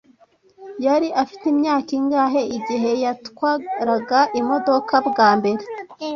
Yari afite imyaka ingahe igihe yatwaraga imodoka bwa mbere?